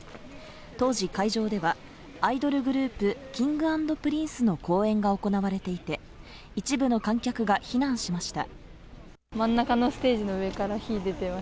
当時、会場ではアイドルグループ、Ｋｉｎｇ＆Ｐｒｉｎｃｅの公演が行われていて、一部の観客が避難しました。